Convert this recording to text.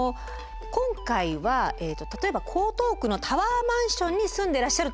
今回は例えば江東区のタワーマンションに住んでいらっしゃるという設定にさせて下さい。